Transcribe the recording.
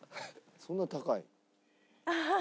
そんな高いの？